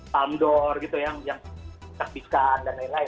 palme d or gitu ya yang terpisahkan dan lain lain